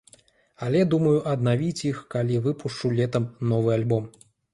Але думаю аднавіць іх, калі выпушчу летам новы альбом.